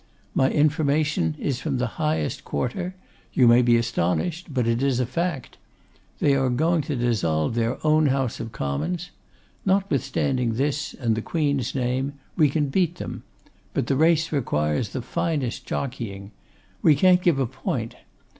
My information is from the highest quarter. You may be astonished, but it is a fact. They are going to dissolve their own House of Commons. Notwithstanding this and the Queen's name, we can beat them; but the race requires the finest jockeying. We can't give a point.